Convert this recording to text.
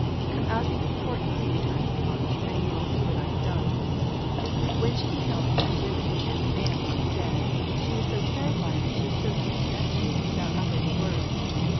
"Come out into the courtyard," returned the monk, "and you will see what I have done." When she beheld the two women and the man lying dead, she was so terrified that she stood like a statue, without uttering a word.